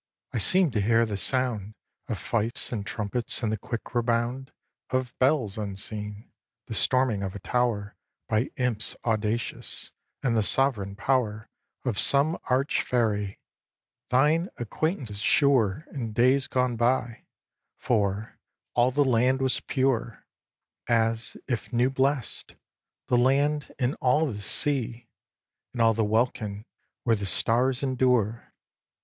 I seem'd to hear the sound Of fifes and trumpets and the quick rebound Of bells unseen, the storming of a tower By imps audacious, and the sovereign power Of some arch fairy, thine acquaintance sure In days gone by; for, all the land was pure, As if new blest, the land and all the sea And all the welkin where the stars endure.